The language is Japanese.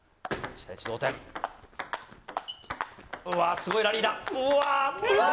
すごいラリーだ！